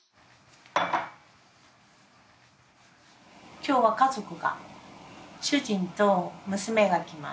今日は家族が主人と娘が来ます。